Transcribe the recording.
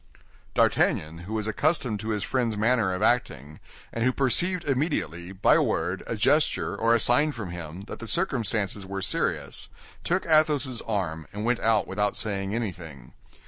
D'Artagnan, who was accustomed to his friend's manner of acting, and who perceived immediately, by a word, a gesture, or a sign from him, that the circumstances were serious, took Athos's arm, and went out without saying anything.